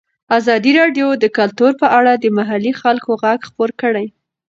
ازادي راډیو د کلتور په اړه د محلي خلکو غږ خپور کړی.